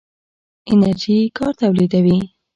انرژي کار تولیدوي.